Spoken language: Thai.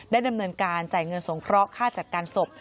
ดำเนินการจ่ายเงินสงเคราะหค่าจัดการศพ